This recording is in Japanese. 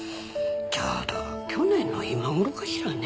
ちょうど去年の今頃かしらね。